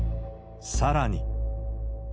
さらに。